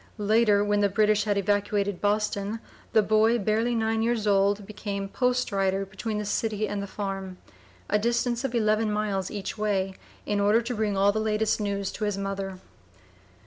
Later, when the British had evacuated Boston, the boy, barely nine years old, became "post rider" between the city and the farm, a distance of eleven miles each way, in order to bring all the latest news to his mother.